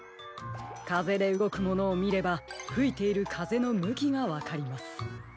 かぜでうごくものをみればふいているかぜのむきがわかります。